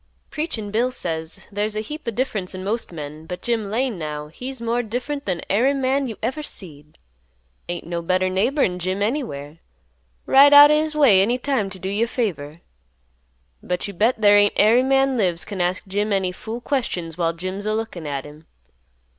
Preachin' Bill says "There's a heap o' difference in most men, but Jim Lane now he's more different than ary man you ever seed. Ain't no better neighbor'n Jim anywhere. Ride out o' his way any time t' do you a favor. But you bet there ain't ary man lives can ask Jim any fool questions while Jim's a lookin' at him.